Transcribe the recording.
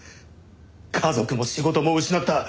家族も仕事も失った。